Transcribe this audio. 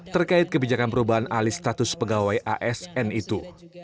terkait kebijakan perubahan alih status pegawai asn itu